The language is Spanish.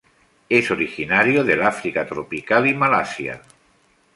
Es originario del África tropical y Malasia.